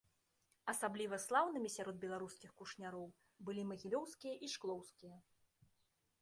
Асабліва слаўнымі сярод беларускіх кушняроў былі магілёўскія і шклоўскія.